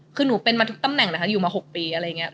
คือหนูเป็นมาทุกตำแหน่งนะคะอยู่มา๖ปีอะไรอย่างนี้